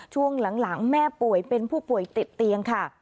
ช่วงหลังแม่ป่วยเป็นผู้ป่วยติดเตียงค่ะ